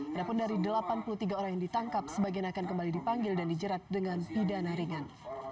adapun dari delapan puluh tiga orang yang ditangkap sebagian akan kembali dipanggil dan dijerat dengan pidana ringan